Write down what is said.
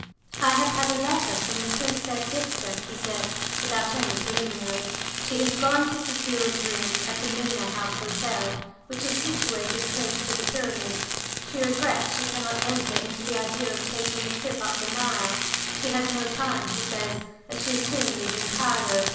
"I have had a letter from the Princess Ziska," he said, without any preliminary. "She has gone to secure rooms at the Mena House Hotel, which is situated close to the Pyramids. She regrets she cannot enter into the idea of taking a trip up the Nile. She has no time, she says, as she is soon leaving Cairo.